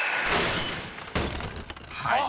［はい。